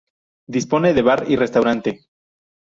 Dispone de bar y restaurante.